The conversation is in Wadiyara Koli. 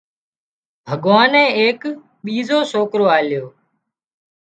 ڀڳوانئي ايڪ ٻيزو سوڪرو آليو